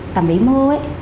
tầm bỉ mô